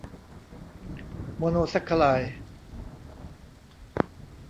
โมโนแซ็กคาไรด์